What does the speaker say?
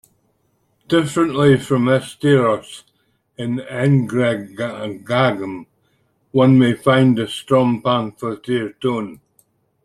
Differently from Esteiros, in Engrenagem, one may find a strong pamphleteer tone.